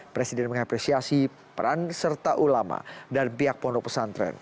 presiden mengapresiasi peran serta ulama dan pihak pondok pesantren